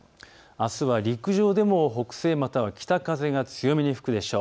あすは陸上でも北西または北風が強めに吹くでしょう。